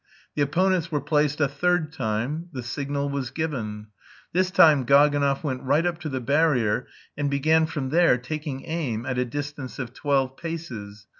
The opponents were placed a third time, the signal was given. This time Gaganov went right up to the barrier, and began from there taking aim, at a distance of twelve paces.